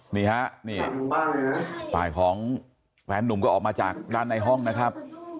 นี่ฮะนี่ฝ่ายของแฟนนุ่มก็ออกมาจากด้านในห้องนะครับ